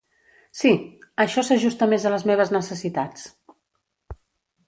Sí, això s'ajusta més a les meves necessitats.